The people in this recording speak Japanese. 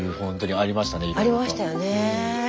ありましたよね。